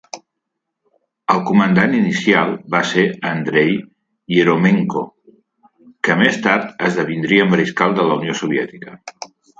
El comandant inicial va ser Andrei Ieriómenko, que més tard esdevindria mariscal de la Unió Soviètica.